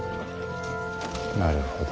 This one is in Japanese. なるほど。